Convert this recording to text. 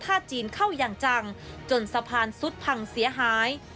จีนเข้าอย่างจังจนสะพานซุดพังเสียหาย